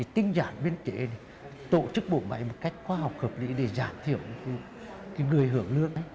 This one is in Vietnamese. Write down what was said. tinh giản biên chế tổ chức bộ máy một cách khoa học hợp lý để giảm thiểu người hưởng lương